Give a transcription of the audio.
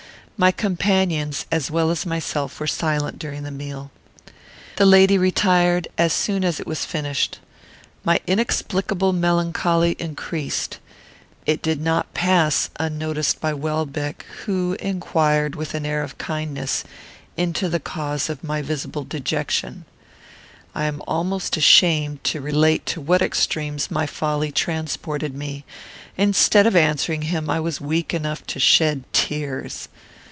My companions as well as myself were silent during the meal. The lady retired as soon as it was finished. My inexplicable melancholy increased. It did not pass unnoticed by Welbeck, who inquired, with an air of kindness, into the cause of my visible dejection. I am almost ashamed to relate to what extremes my folly transported me. Instead of answering him, I was weak enough to shed tears.